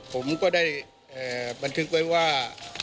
ผมก็ได้บันทึกไว้ว่า